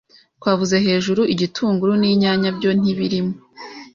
twavuze hejuru, Igitunguru n’inyanya byo ntibirimo